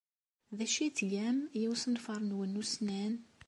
D acu ay tgam i usenfar-nwen ussnan?